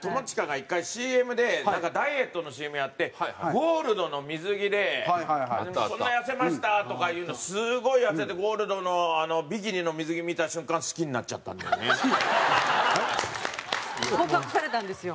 友近が１回ＣＭでなんかダイエットのＣＭやってゴールドの水着でこんな痩せましたとかいうのすごい痩せてゴールドのビキニの水着見た瞬間告白されたんですよ。